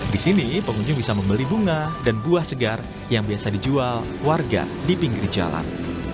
di sini pengunjung bisa membeli bunga dan buah segar yang biasa dijual warga di pinggir jalan